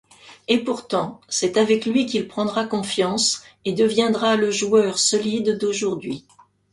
Et pourtant, c'est avec lui qu'il prendra confiance, et deviendra le joueur solide d'aujourd'hui.